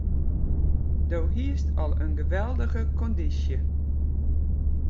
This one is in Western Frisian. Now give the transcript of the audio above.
Doe hiest al in geweldige kondysje.